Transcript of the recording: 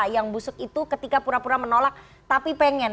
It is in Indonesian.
yang busuk itu ketika pura pura menolak tapi pengen